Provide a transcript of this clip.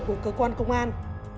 của cơ quan công an